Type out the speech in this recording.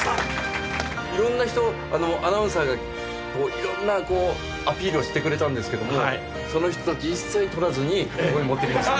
色んな人アナウンサーが色んなアピールをしてくれたんですけどもその人たち一切とらずにここへ持ってきました。